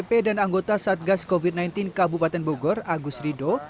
bp dan anggota satgas covid sembilan belas kabupaten bogor agus rido